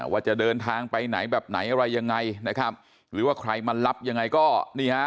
ว่าจะเดินทางไปไหนแบบไหนอะไรยังไงนะครับหรือว่าใครมารับยังไงก็นี่ฮะ